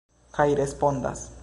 Kaj respondas.